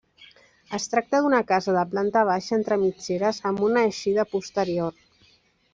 Es tracta d'una casa de planta baixa entre mitgeres amb una eixida posterior.